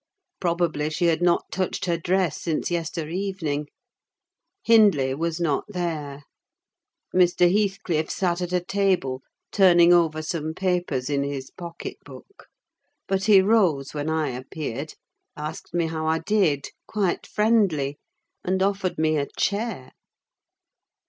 Probably she had not touched her dress since yester evening. Hindley was not there. Mr. Heathcliff sat at a table, turning over some papers in his pocket book; but he rose when I appeared, asked me how I did, quite friendly, and offered me a chair.